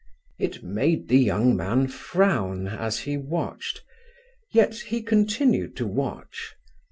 It made the young man frown as he watched. Yet he continued to watch.